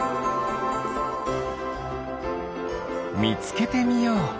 みつけてみよう。